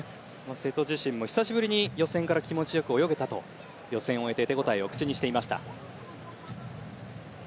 瀬戸自身も久しぶりに予選から気持ち良く泳げたと予選を終えて手応えを口にしていました。